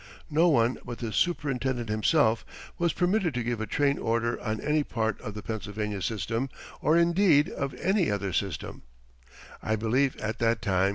No one but the superintendent himself was permitted to give a train order on any part of the Pennsylvania system, or indeed of any other system, I believe, at that time.